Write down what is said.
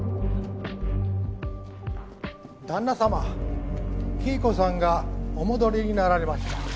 旦那様黄以子さんがお戻りになられました。